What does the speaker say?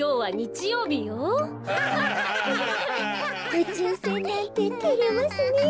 うちゅうせんなんててれますねえ。